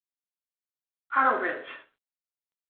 Ara ho veig.